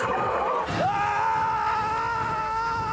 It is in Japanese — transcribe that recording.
「うわ！」